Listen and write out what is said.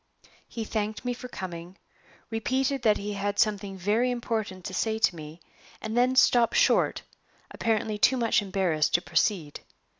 He thanked me for coming; repeated that he had something very important to say to me; and then stopped short, apparently too much embarrassed to proceed.